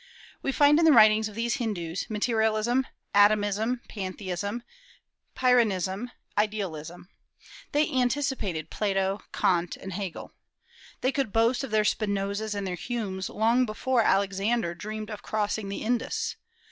"We find in the writings of these Hindus materialism, atomism, pantheism, Pyrrhonism, idealism. They anticipated Plato, Kant, and Hegel. They could boast of their Spinozas and their Humes long before Alexander dreamed of crossing the Indus.